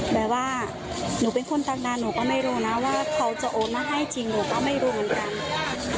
แบบว่าหนูเป็นคนตักดาหนูก็ไม่รู้นะว่าเขาจะโอนมาให้จริงหนูก็ไม่รู้เหมือนกัน